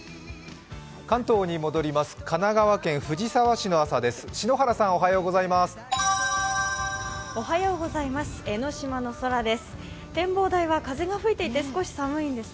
関東に戻ります、神奈川県藤沢市の朝です。